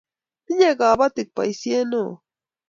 tinyei kabotik boisie neoo